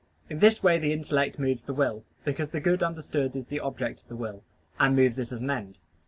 In this way the intellect moves the will, because the good understood is the object of the will, and moves it as an end.